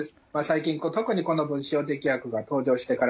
最近特にこの分子標的薬が登場してからですね